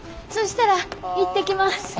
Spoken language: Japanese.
そしたら行ってきます。